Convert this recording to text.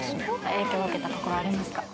影響を受けたところはありますか？